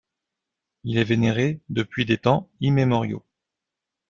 Il est vénéré depuis des temps immémoriaux.